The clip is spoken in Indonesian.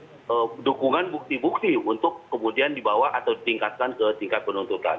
ada dukungan bukti bukti untuk kemudian dibawa atau ditingkatkan ke tingkat penuntutan